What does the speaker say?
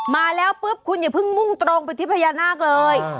มาแล้วปุ๊บคุณอย่าเพิ่งมุ่งตรงไปที่พญานาคเลย